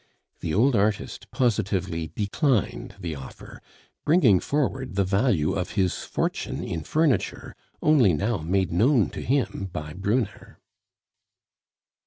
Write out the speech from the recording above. The old artist positively declined the offer, bringing forward the value of his fortune in furniture, only now made known to him by Brunner.